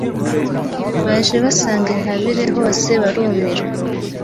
Baje basanga intabire hose barumirwa